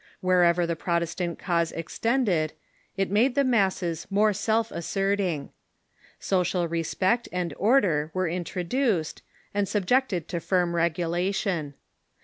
Wherever the Protestant cause extended, it made the masses more self asserting. Social respect and order were intro duced, and subjected to firm regulation.